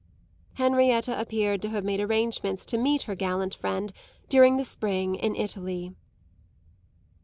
Henrietta appeared to have made arrangements to meet her gallant friend during the spring in Italy.